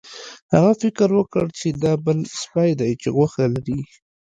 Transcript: هغه فکر وکړ چې دا بل سپی دی چې غوښه لري.